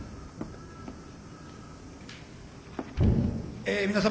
え皆様